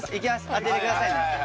当ててくださいね。